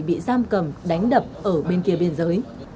bị giam cầm đánh đập ở bên kia biên giới